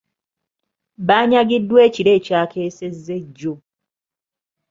Baanyagiddwa ekiro ekyakeesezza ejjo.